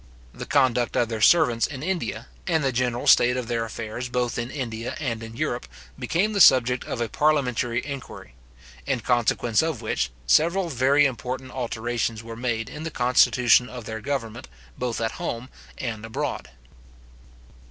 The conduct of their servants in India, and the general state of their affairs both in India and in Europe, became the subject of a parliamentary inquiry: in consequence of which, several very important alterations were made in the constitution of their government, both at home and abroad.